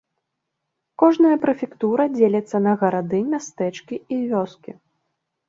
Кожная прэфектура дзеліцца на гарады, мястэчкі і вёскі.